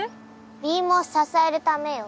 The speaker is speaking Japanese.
ビームを支えるためよ。